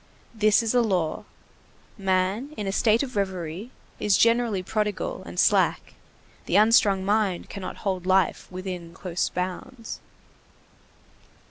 This is a law. Man, in a state of reverie, is generally prodigal and slack; the unstrung mind cannot hold life within close bounds.